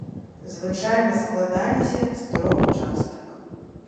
Звычайна складаліся з трох частак.